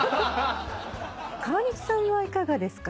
川西さんはいかがですか？